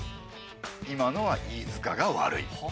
今のは飯塚が悪い。は？